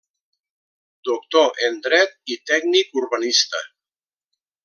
Doctor en Dret i Tècnic Urbanista.